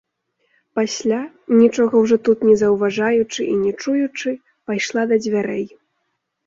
Пасля, нічога ўжо тут не заўважаючы і не чуючы, пайшла да дзвярэй.